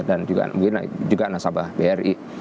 dan juga nasabah bri